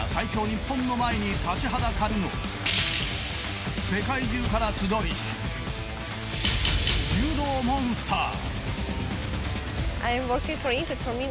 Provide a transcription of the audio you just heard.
日本の前に立ちはだかるのは世界中から集いし柔道モンスター。